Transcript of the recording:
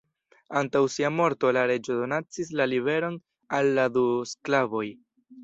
Antaŭ sia morto, la reĝo donacis la liberon al la du sklavoj.